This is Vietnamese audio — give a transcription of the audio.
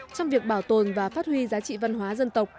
trong việc bảo tồn và phát huy giá trị văn hóa dân tộc